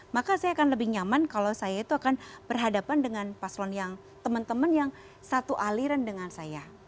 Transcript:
maka saya akan lebih nyaman kalau saya itu akan berhadapan dengan paslon yang teman teman yang satu aliran dengan saya